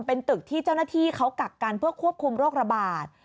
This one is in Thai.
เป็นตึกที่เจ้าหน้าที่เขากักกันเพื่อควบคุมโรคระบาด